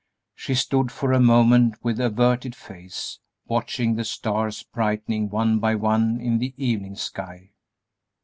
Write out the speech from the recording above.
She stood for a moment with averted face, watching the stars brightening one by one in the evening sky.